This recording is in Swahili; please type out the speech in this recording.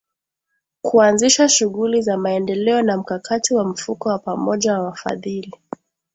Kuanzisha shughuli za maendeleo na mkakati wa mfuko wa pamoja wa wafadhili